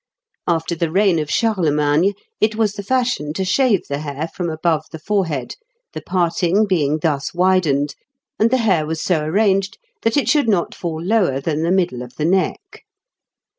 After the reign of Charlemagne, it was the fashion to shave the hair from above the forehead, the parting being thus widened, and the hair was so arranged that it should not fall lower than the middle of the neck.